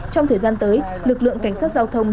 trong thời gian tới lực lượng cảnh sát giao thông